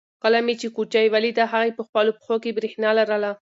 کله چې ما کوچۍ ولیده هغې په خپلو پښو کې برېښنا لرله.